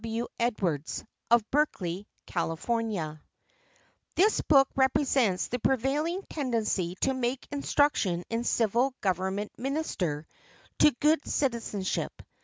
W. EDWARDS, OF BERKELEY, CALIFORNIA. This book represents the prevailing tendency to make instruction in civil government minister to good citizenship.